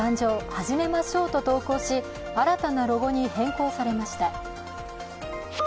始めましょう」と投稿し、新たなロゴに変更されました。